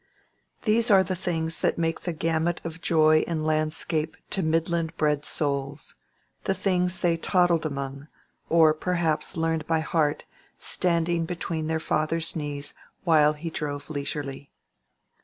These are the things that make the gamut of joy in landscape to midland bred souls—the things they toddled among, or perhaps learned by heart standing between their father's knees while he drove leisurely.